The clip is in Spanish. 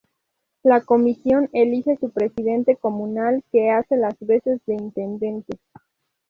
La Comisión elige su Presidente Comunal, que hace las veces de intendente.